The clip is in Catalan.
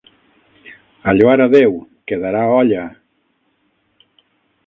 A lloar a Déu, que darà olla!